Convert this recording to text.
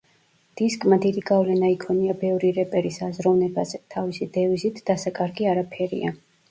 დისკმა დიდი გავლენა იქონია ბევრი რეპერის აზროვნებაზე, თავისი დევიზით „დასაკარგი არაფერია“.